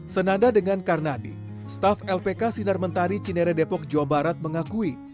senada dengan karnadi staf lpk sinar mentari cineredepok jawa barat mengakui